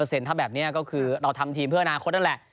อ่า๑๐๐ถ้าแบบเนี่ยก็คือเราทำทีมเพื่อนาคตนั่นแหละ